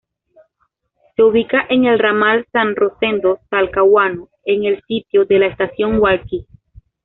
Se ubica en el ramal San Rosendo-Talcahuano, en el sitio de la Estación Hualqui.